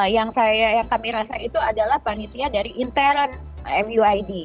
yang kami rasa itu adalah panitia dari intern muid